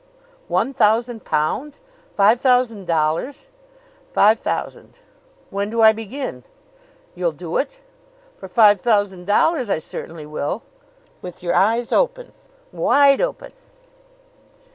"One thousand pounds five thousand dollars!" "Five thousand." "When do I begin?" "You'll do it?" "For five thousand dollars I certainly will." "With your eyes open?" "Wide open!"